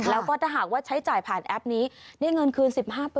แล้วก็ถ้าหากว่าใช้จ่ายผ่านแอปนี้ได้เงินคืน๑๕